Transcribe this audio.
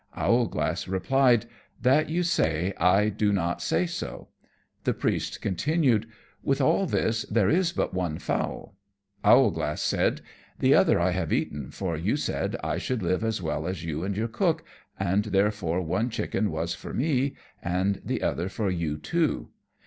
Owlglass replied, "That you say, I do not say so." The Priest continued, "With all this, there is but one fowl." Owlglass said, "The other I have eaten, for you said I should live as well as you and your cook, and therefore one chicken was for me, and the other for you two.